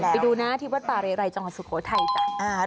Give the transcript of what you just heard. ไปดูนะที่วัดป่าเรย์ไหร่จังหาสุโขทัยจัง